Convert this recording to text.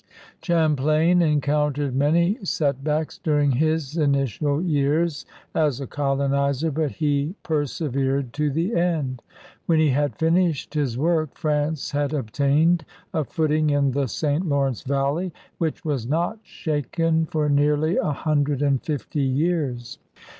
Champlain encountered many set backs during his initial years as a colonizer, but he persevered to the end. When he had finished his work, France had obtained a footing in the St. Lawrence valley which was not shaken for nearly a hundred and fifty years.